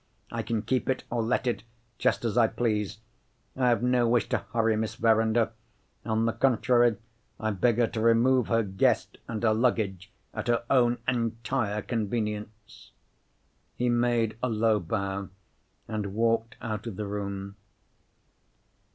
I can keep it, or let it, just as I please. I have no wish to hurry Miss Verinder. On the contrary, I beg her to remove her guest and her luggage, at her own entire convenience." He made a low bow, and walked out of the room.